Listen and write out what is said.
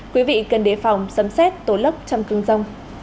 quý vị cần đề phòng sấm xét tố lốc trong cơn rông